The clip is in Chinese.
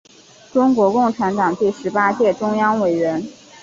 中国共产党第十八届中央委员。